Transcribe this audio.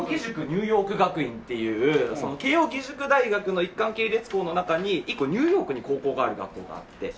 ニューヨーク学院っていう慶應義塾大学の一貫系列校の中に一個ニューヨークに高校がある学校があって。